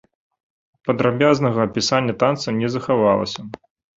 Падрабязнага апісання танца не захавалася.